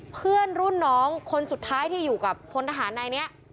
เพื่อนรุ่นน้องคนสุดท้ายที่อยู่กับพลทหารนายนี้